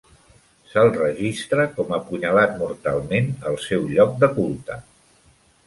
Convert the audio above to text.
S'el registra com apunyalat mortalment al seu lloc de culte.